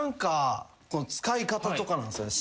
使い方とかなんすよね。